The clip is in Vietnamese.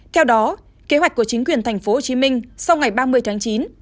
theo đó kế hoạch của chính quyền tp hcm sau ngày ba mươi tháng chín